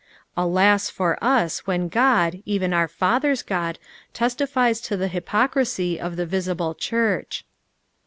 Alas ! for us when God, even our fathers' Qod, testifies to the hypocrisy of the visible church.